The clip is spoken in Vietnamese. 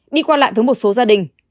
đi qua lại với một số gia đình